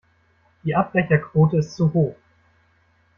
Die Abbrecherquote ist zu hoch.